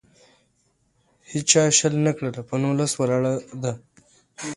هیچا شل نه کړله. په نولس ولاړه ده.